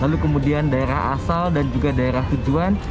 lalu kemudian daerah asal dan juga daerah tujuan